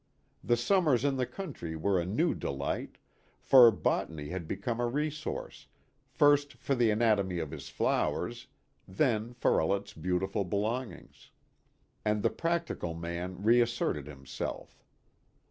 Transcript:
The summers in the country were a new delight, for botany had become a resource, first for the anatomy of his flowers, then for all its beautiful belongings. And the practical man re asserted himself.